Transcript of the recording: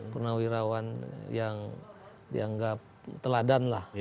purnawirawan yang dianggap teladan lah